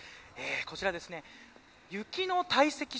こちら雪の堆積場。